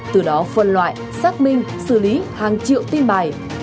từ đó phân loại xác minh xử lý hàng triệu tin bài